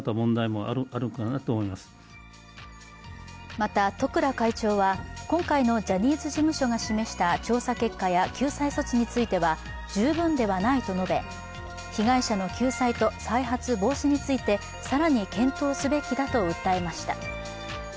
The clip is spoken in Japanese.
また十倉会長は今回のジャニーズ事務所が示した調査結果や救済措置については十分ではないと述べ、被害者の救済と再発防止について、更に検討すべきだと訴えました。